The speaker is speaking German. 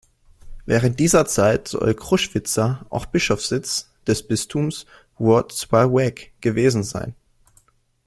Während dieser Zeit soll Kruszwica auch Bischofssitz des Bistums Włocławek gewesen sein.